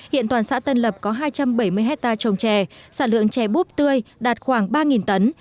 hiện toàn xã tân lập có hai trăm bảy mươi hectare trồng trè sản lượng chè búp tươi đạt khoảng ba tấn